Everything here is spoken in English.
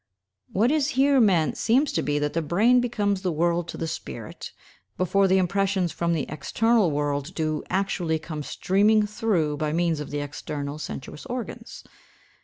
What is here meant seems to be, that the brain becomes the world to the spirit, before the impressions from the external world do actually come streaming through by means of the external sensuous organs.